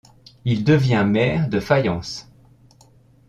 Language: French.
Il devient maire de Fayence.